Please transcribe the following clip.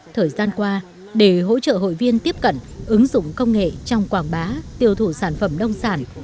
thời gian qua để hỗ trợ hội viên tiếp cận ứng dụng công nghệ trong quảng bá tiêu thụ sản phẩm nông sản